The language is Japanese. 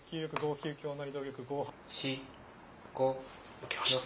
負けました。